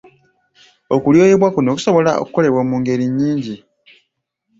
Okulyoyebwa kuno kusobola okukolebwa mu ngeri nnyingi.